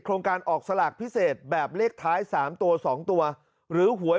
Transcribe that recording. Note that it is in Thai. โครงการออกสลากพิเศษแบบเลขท้าย๓ตัว๒ตัวหรือหวย